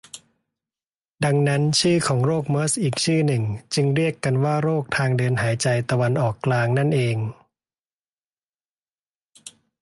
ดังนั้นชื่อของโรคเมอร์สอีกชื่อหนึ่งจึงเรียกกันว่า โรคทางเดินหายใจตะวันออกกลางนั่นเอง